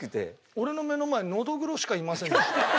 俺の目の前ノドグロしかいませんでした。